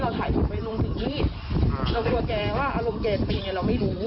เรากลัวแจว่าอารมณ์เกรทรีย์เราไม่รู้